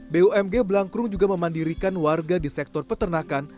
bumg blangkrung juga memandirikan warga di sektor peternakan